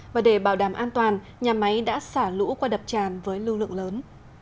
và để bảo đảm an toàn nhà máy đã xả lũ qua đập tràn với lưu lượng lớn